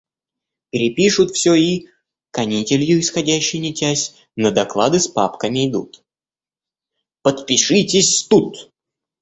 Перепишут всё и, канителью исходящей нитясь, на доклады с папками идут: – Подпишитесь тут!